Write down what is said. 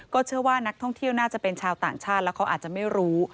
เชื่อว่านักท่องเที่ยวน่าจะเป็นชาวต่างชาติแล้วเขาอาจจะไม่รู้